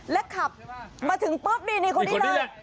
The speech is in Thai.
แล้วขับมาถึงปุ๊บนี่คนนี้เลย